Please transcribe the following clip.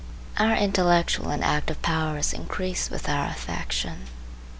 Our intellectual and active powers increase with our affection.